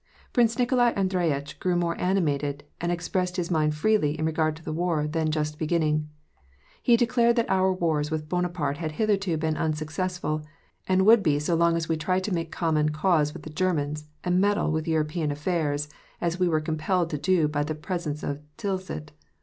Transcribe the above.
Prince Nikolai Andreyitch grew more animated, and ex pressed his mind freely in regard to the war then just beginning. He declared that our wars with Bonaparte had hitherto been unsuccessful, and would be so long as we tried to make common cause with the Germans, and meddle with European affairs, as we were compelled to do by the peace of Tilsit.